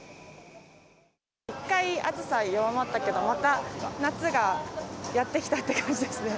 一回、暑さ弱まったけど、また夏がやって来たって感じですね。